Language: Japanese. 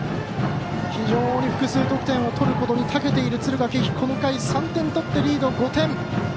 非常に複数得点を取ることにたけている敦賀気比、この回３点取ってリード５点。